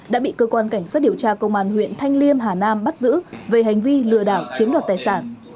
đã bị cơ quan cảnh sát điều tra công an huyện thanh liêm hà nam bắt giữ về hành vi lừa đảo chiếm đoạt tài sản